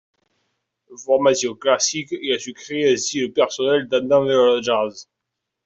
De formation classique, il a su créer un style personnel tendant vers le jazz.